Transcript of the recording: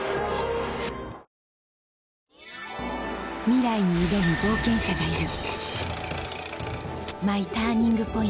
ミライに挑む冒険者がいる硯